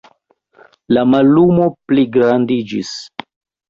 La mallumo pligrandiĝis.